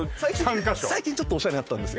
最近ちょっとオシャレになったんですよ